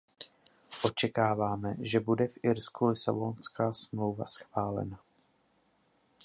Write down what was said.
Očekáváme, že bude v Irsku Lisabonská smlouva schválena.